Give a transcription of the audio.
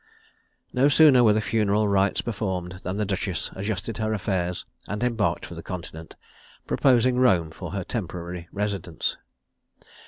No sooner were the funeral rites performed than the duchess adjusted her affairs, and embarked for the Continent, proposing Rome for her temporary residence.